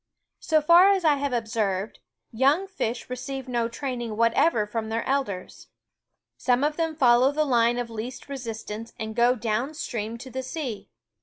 So far as I have observed, young fish receive no teaching whatever from their elders. Some of them follow the line of THE WOODS O least resistance and go down stream to the sea.